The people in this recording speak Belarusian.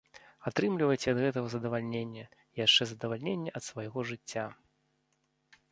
Атрымлівайце ад гэтага задавальненне, і яшчэ задавальненне ад свайго жыцця!